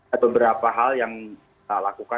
ada beberapa hal yang kita lakukan